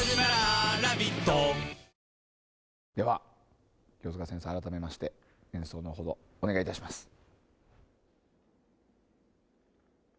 あらためまして演奏の程お願いいたします。